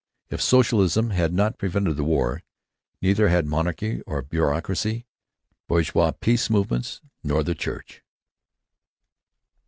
If socialism had not prevented the war, neither had monarchy nor bureaucracy, bourgeois peace movements, nor the church.